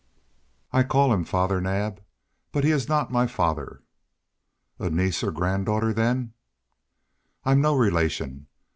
"I call him Father Naab, but he is not my father." "A niece or granddaughter, then?" "I'm no relation.